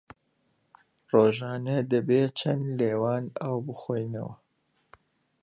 ڕۆژانە دەبێ چەند لیوان ئاو بخۆینەوە؟